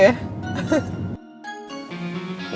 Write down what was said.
iya juga ya